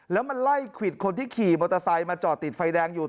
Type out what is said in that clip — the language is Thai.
แล้วมันไล่ควิดคนที่ขี่มอเตอร์ไซค์มาจอดติดไฟแดงอยู่